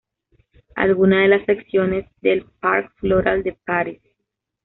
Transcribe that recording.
Algunas de las secciones del ""Parc Floral de Paris"".